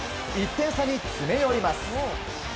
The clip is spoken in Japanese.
１点差に詰め寄ります。